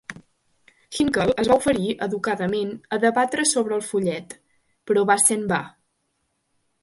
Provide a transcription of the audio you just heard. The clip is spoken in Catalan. Hinkle es va oferir educadament a debatre sobre el fullet, però va ser en va.